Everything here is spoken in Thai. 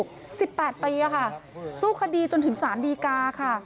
๑๘ปีค่ะสู้คดีจนถึงสารดีกาค่ะ